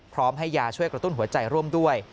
พร้อมให้ยาช่วยกระตุ้นหัวใจร่วมด้วย